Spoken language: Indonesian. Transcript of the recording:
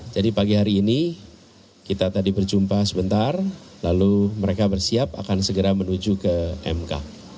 jadi pagi hari ini kita tadi berjumpa sebentar lalu mereka bersiap akan segera menuju ke mk